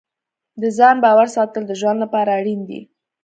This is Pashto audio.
د ځان باور ساتل د ژوند لپاره اړین دي.